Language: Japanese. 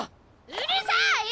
うるさい！